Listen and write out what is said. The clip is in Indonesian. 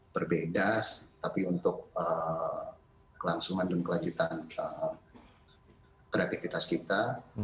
berbeda tapi untuk kelangsungan dan kelanjutan kreativitas kita